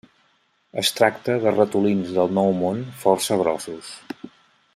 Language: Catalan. Es tracta de ratolins del Nou Món força grossos.